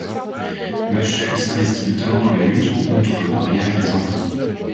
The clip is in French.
Machel s'investit notamment dans la lutte contre le mariage des enfants.